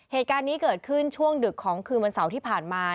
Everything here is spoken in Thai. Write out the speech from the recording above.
เหตุการณ์นี้เกิดขึ้นช่วงดึกของคืนวันเสาร์ที่ผ่านมา